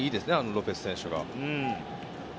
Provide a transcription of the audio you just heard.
ロペス選手が。